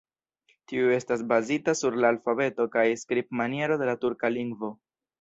Tiu estas bazita sur la alfabeto kaj skribmaniero de la turka lingvo.